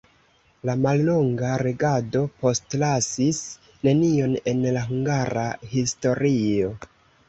La mallonga regado postlasis nenion en la hungara historio.